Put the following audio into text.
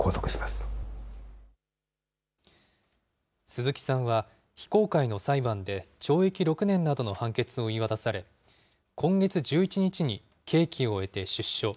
鈴木さんは非公開の裁判で懲役６年などの判決を言い渡され、今月１１日に、刑期を終えて出所。